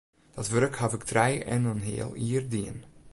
Dat wurk haw ik trije en in heal jier dien.